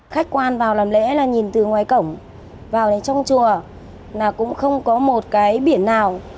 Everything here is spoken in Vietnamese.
khách quan vào làm lễ là nhìn từ ngoài cổng vào trong chùa là cũng không có một cái biển nào